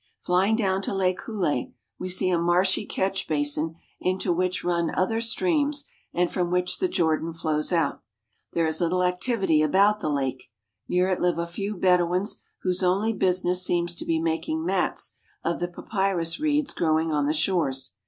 Flying down to Lake Huleh, we see a marshy catch basin into which run other streams and from which the Jordan flows out. There is little activity about the lake. Near it live a few Bedouins whose only business seems to be making mats of the papyrus reeds growing on the shores.